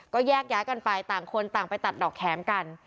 ก็แยกย้ายกันไปต่างคนต่างไปตัดดอกแข็มกัน